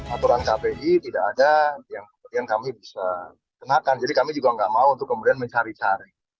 aturan kpi tidak ada yang kemudian kami bisa kenakan jadi kami juga nggak mau untuk kemudian mencari cari